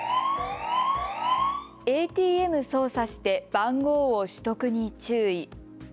ＡＴＭ操作して番号を取得に注意。